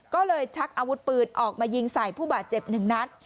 ก็เลยชักอาวุธปืนออกมายิงใส่ผู้บาดเจ็บหนึ่งนัด